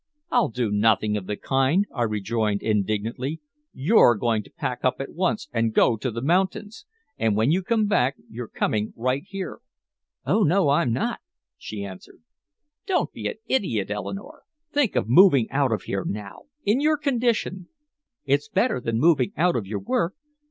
"I'll do nothing of the kind," I rejoined indignantly. "You're going to pack up at once and go to the mountains! And when you come back you're coming right here!" "Oh no I'm not," she answered. "Don't be an idiot, Eleanore! Think of moving out of here now! In your condition!" "It's better than moving out of your work.